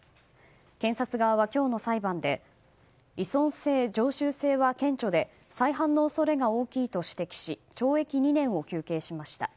検察側は今日の裁判で依存性、常習性は顕著で再犯の恐れが大きいと指摘し懲役２年を求刑しました。